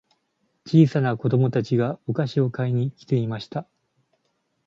小さな子供たちがお菓子を買いに来ていました。